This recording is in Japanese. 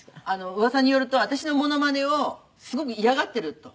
うわさによると私のモノマネをすごく嫌がっていると。